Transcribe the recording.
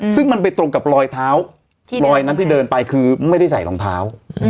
ซึ่งมันไปตรงกับรอยเท้ารอยนั้นที่เดินไปคือไม่ได้ใส่รองเท้า